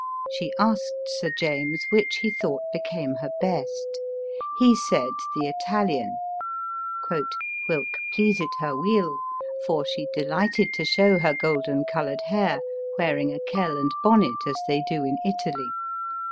She asked Sir James which he thought became her best. He said the Italian, " whilk pleasit her weel ; for she delighted to show her golden colored hair, wearing a kell and bonnet as they do in Italy.